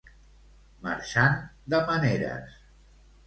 Marxant de maneres.